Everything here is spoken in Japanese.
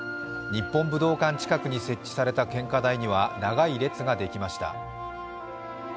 日本武道館近くに設置された献花台には長い列ができました。